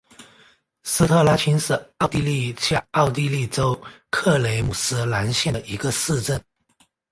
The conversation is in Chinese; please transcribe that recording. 施特拉青是奥地利下奥地利州克雷姆斯兰县的一个市镇。